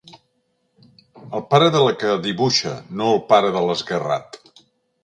El pare de la que dibuixa, no el pare de l'esguerrat.